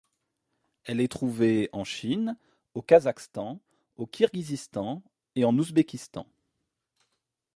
Elle est trouvée en Chine au Kazakhstan, au Kirghizistan et en Ouzbékistan.